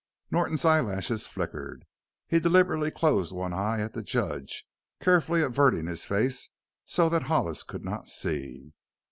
Norton's eyelashes flickered. He deliberately closed one eye at the judge, carefully averting his face so that Hollis could not see.